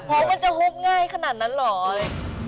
โหมันจะหุบง่ายขนาดนั้นเหรอ